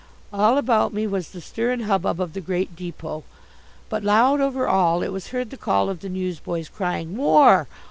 All about me was the stir and hubbub of the great depot. But loud over all it was heard the call of the newsboys crying "WAR!